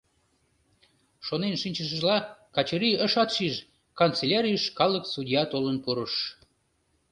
Шонен шинчышыжла, Качырий ышат шиж, канцелярийыш калык судья толын пурыш.